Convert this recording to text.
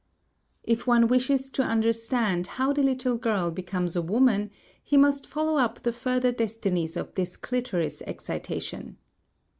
If one wishes to understand how the little girl becomes a woman, he must follow up the further destinies of this clitoris excitation.